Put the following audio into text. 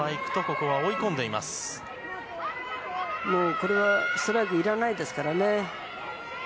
これはもうストライクいらないですからね。